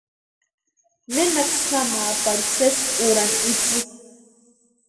Nenaksï jamaa pari sési úrani itsï.